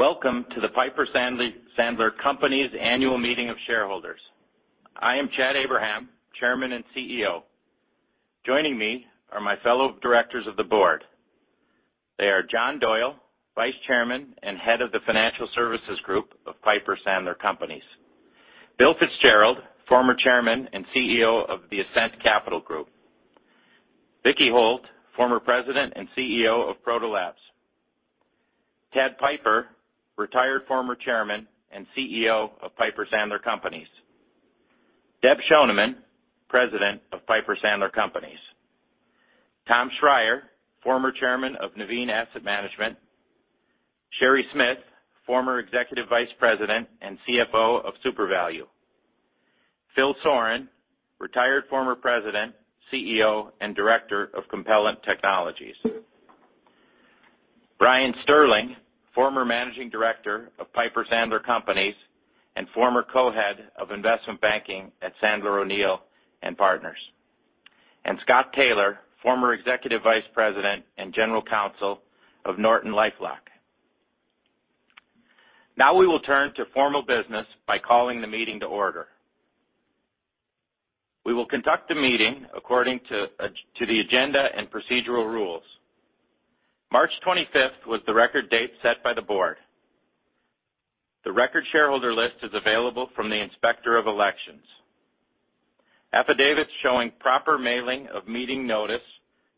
Welcome to the Piper Sandler Companies annual meeting of shareholders. I am Chad Abraham, Chairman and CEO. Joining me are my fellow directors of the board. They are Jonathan Doyle, Vice Chairman and Head of the Financial Services Group of Piper Sandler Companies. Bill Fitzgerald, former Chairman and CEO of Ascent Capital Group. Vicki Holt, former President and CEO of Proto Labs. Ted Piper, retired former Chairman and CEO of Piper Sandler Companies. Deb Schoneman, President of Piper Sandler Companies. Tom Schreier, former Chairman of Nuveen Asset Management. Sherry Smith, former Executive Vice President and CFO of SUPERVALU. Phil Soran, retired former President, CEO, and Director of Compellent Technologies. Brian Sterling, former Managing Director of Piper Sandler Companies and former Co-head of Investment Banking at Sandler O'Neill + Partners. Scott Taylor, former Executive Vice President and General Counsel of NortonLifeLock. Now we will turn to formal business by calling the meeting to order. We will conduct the meeting according to the agenda and procedural rules. March 25th was the record date set by the board. The record shareholder list is available from the Inspector of Elections. Affidavits showing proper mailing of meeting notice,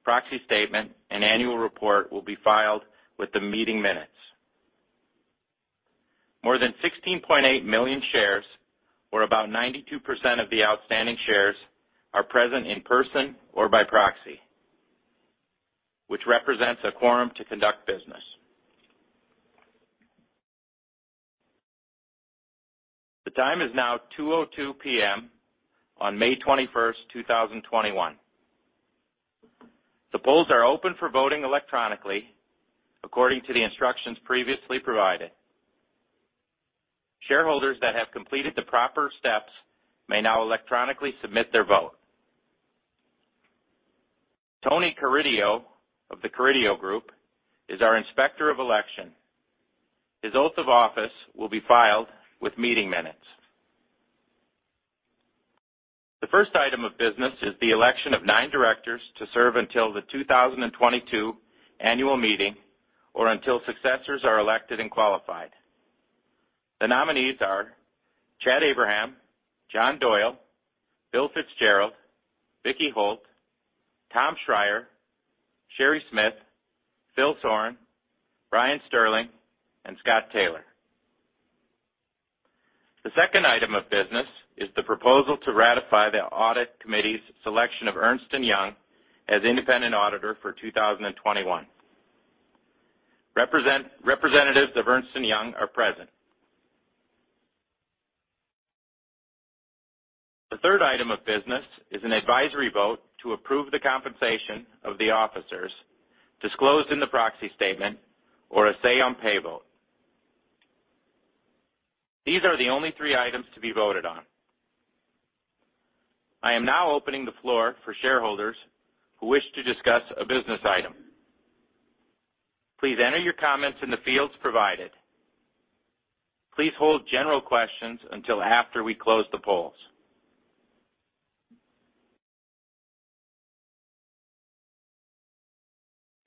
proxy statement, and annual report will be filed with the meeting minutes. More than 16.8 million shares, or about 92% of the outstanding shares, are present in person or by proxy, which represents a quorum to conduct business. The time is now 2:02 P.M. on May 21st, 2021. The polls are open for voting electronically according to the instructions previously provided. Shareholders that have completed the proper steps may now electronically submit their vote. Tony Carideo of The Carideo Group is our Inspector of Election. His oath of office will be filed with meeting minutes. The first item of business is the election of nine directors to serve until the 2022 annual meeting or until successors are elected and qualified. The nominees are Chad Abraham, Jonathan Doyle, Bill Fitzgerald, Vicki Holt, Tom Schreier, Sherry Smith, Phil Soran, Brian Sterling, and Scott Taylor. The second item of business is the proposal to ratify the audit committee's selection of Ernst & Young as independent auditor for 2021. Representatives of Ernst & Young are present. The third item of business is an advisory vote to approve the compensation of the officers disclosed in the proxy statement or a say-on-pay vote. These are the only three items to be voted on. I am now opening the floor for shareholders who wish to discuss a business item. Please enter your comments in the fields provided. Please hold general questions until after we close the polls.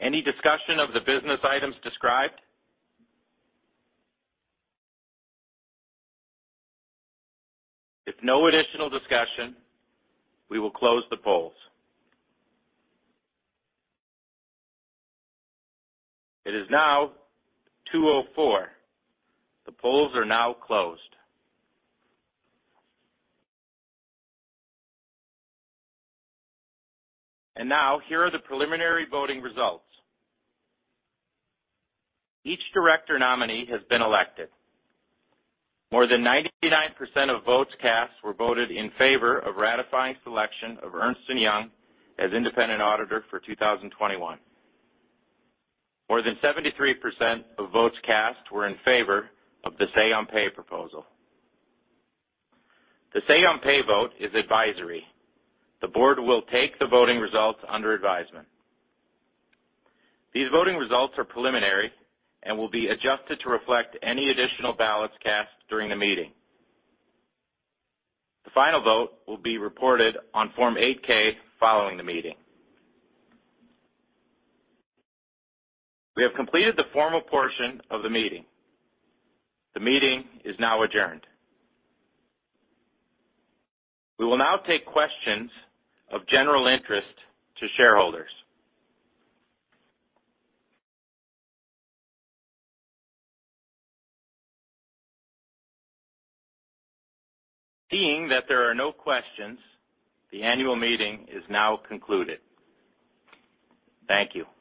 Any discussion of the business items described? If no additional discussion, we will close the polls. It is now 2:04 P.M. The polls are now closed. Now here are the preliminary voting results. Each director nominee has been elected. More than 99% of votes cast were voted in favor of ratifying selection of Ernst & Young as independent auditor for 2021. More than 73% of votes cast were in favor of the say-on-pay proposal. The say-on-pay vote is advisory. The board will take the voting results under advisement. These voting results are preliminary and will be adjusted to reflect any additional ballots cast during the meeting. The final vote will be reported on Form 8-K following the meeting. We have completed the formal portion of the meeting. The meeting is now adjourned. We will now take questions of general interest to shareholders. Seeing that there are no questions, the annual meeting is now concluded. Thank you.